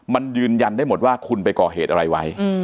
มันยืนยันได้หมดว่าคุณไปก่อเหตุอะไรไว้